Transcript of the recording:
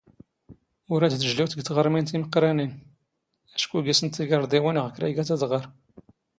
ⵓⵔ ⴰⴷ ⵜⵊⵍⵓⵜ ⴳ ⵜⵖⵔⵎⵉⵏ ⵜⵉⵎⵇⵇⵔⴰⵏⵉⵏ, ⴰⵛⴽⵓ ⴳⵉⵙⵏⵜ ⵜⵉⴽⴰⵕⴹⵉⵡⵉⵏ ⵖ ⴽⵔⴰⵢⴳⴰⵜ ⴰⴷⵖⴰⵔ.